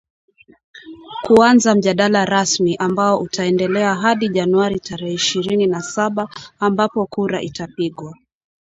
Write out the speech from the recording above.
kuanza mjadala rasmi ambao utaendelea hadi Januari tarehe ishirini na saba ambapo kura itapigwa